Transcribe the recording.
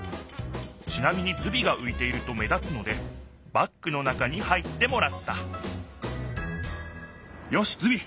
ちなみにズビがういていると目立つのでバッグの中に入ってもらったよしズビ！